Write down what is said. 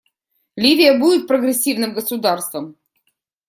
Ливия будет прогрессивным государством.